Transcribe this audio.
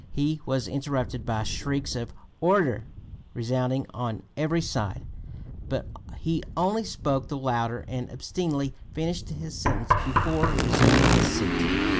He was interrupted by shrieks of "order" resounding on every side; but he only spoke the louder and obstinately finished his sentence before resuming his seat.